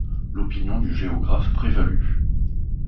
L’opinion du géographe prévalut.